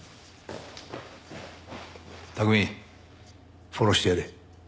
拓海フォローしてやれ。